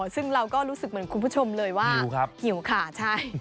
ซึ่งเราก็รู้สึกเหมือนคุณผู้ชมเลยว่าหิวค่ะใช่